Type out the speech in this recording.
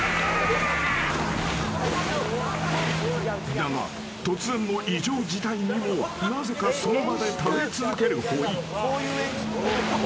だが、突然の異常事態にもなぜかその場で耐え続ける、ほい。